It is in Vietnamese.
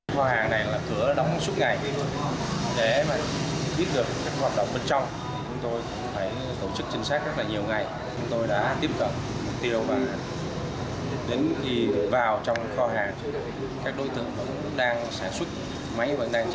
khoa hạn này là cửa đóng suốt ngày